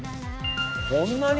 こんなに？